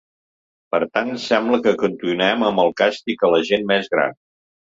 Per tant, sembla que continuem amb el càstig a la gent més gran.